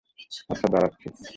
আচ্ছা, দাড়াচ্ছি।